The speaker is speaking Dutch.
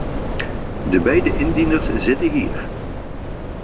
De beide indieners zitten hier.